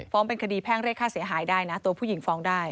เป็นคดีแพ่งเรียกค่าเสียหายได้นะตัวผู้หญิงฟ้องได้